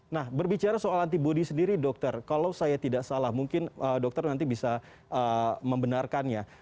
nah berbicara soal antibody sendiri dokter kalau saya tidak salah mungkin dokter nanti bisa membenarkannya